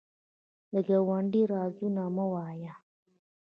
د ګاونډي رازونه مه وایه